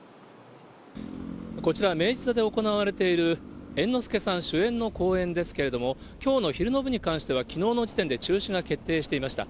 こちら、明治座で行われている猿之助さん主演の公演ですけれども、きょうの昼の部に関しては、きのうの時点で中止が決定していました。